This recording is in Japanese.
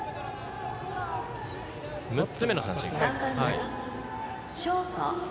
６つ目の三振です。